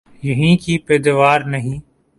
یہیں کی پیداوار نہیں؟